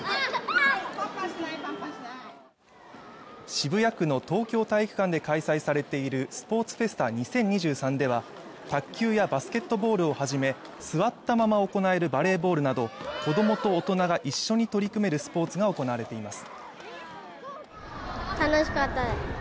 渋谷区の東京体育館で開催されているスポーツフェスタ２０２３では卓球やバスケットボールをはじめ座ったまま行えるバレーボールなど子どもと大人が一緒に取り組めるスポーツが行われています